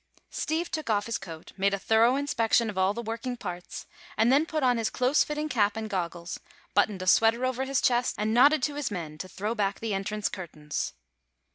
Steve took off his coat, made a thorough inspection of all the working parts, and then put on his close fitting cap and goggles, buttoned a sweater over his chest and nodded to his men to throw back the entrance curtains.